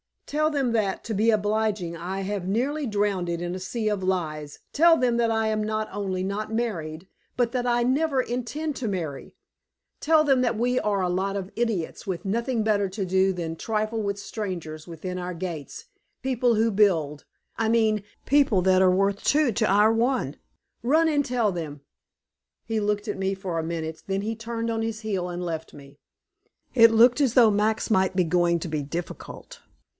"Tell them that, to be obliging, I have nearly drowned in a sea of lies; tell them that I am not only not married, but that I never intend to marry; tell them that we are a lot of idiots with nothing better to do than to trifle with strangers within our gates, people who build I mean, people that are worth two to our one! Run and tell them." He looked at me for a minute, then he turned on his heel and left me. It looked as though Max might be going to be difficult.